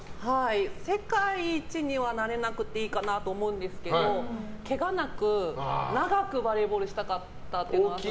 世界一にはなれなくていいかなと思うんですけどけがなく、長くバレーボールをしたかったというのはあります。